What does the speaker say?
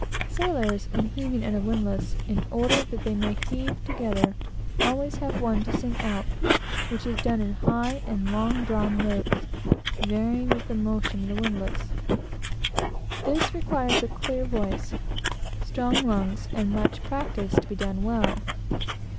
Sailors, when heaving at a windlass, in order that they may heave together, always have one to sing out; which is done in a peculiar, high and long drawn note, varying with the motion of the windlass. This requires a high voice, strong lungs, and much practice, to be done well.